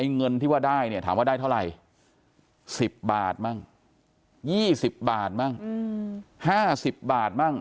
เงินที่ว่าได้เนี่ยถามว่าได้เท่าไหร่๑๐บาทมั่ง๒๐บาทมั่ง๕๐บาทมั่ง